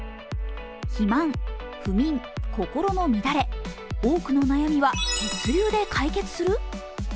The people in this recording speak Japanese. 肥満、不眠、心の乱れ、多くの悩みは血流で解決する？